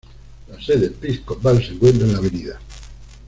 La sede episcopal se encuentra en la Av.